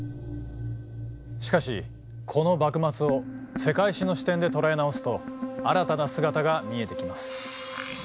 しかしこの幕末を世界史の視点で捉え直すと新たな姿が見えてきます。